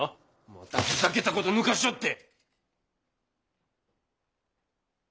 またふざけたこと抜かしおって！